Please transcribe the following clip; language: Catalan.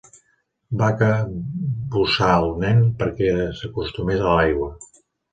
Van cabussar el nen perquè s'acostumés a l'aigua.